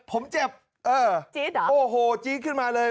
ผมเจ็บเออจี๊ดเหรอโอ้โหจี๊ดขึ้นมาเลย